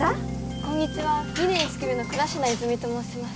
こんにちは２年１組の倉科泉と申します